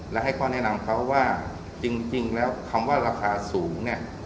และให้ข้อแนะนำเขาว่าจริงแล้วคำว่าราคาสูงเนี่ย